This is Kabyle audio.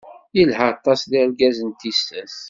Yelha aṭas d argaz n tissas.